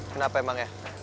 kenapa emang ya